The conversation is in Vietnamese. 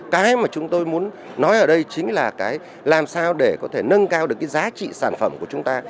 cái mà chúng tôi muốn nói ở đây chính là cái làm sao để có thể nâng cao được cái giá trị sản phẩm của chúng ta